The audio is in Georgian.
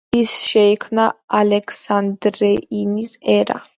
ასე შეიქმნა ალექსანდრიული ერა.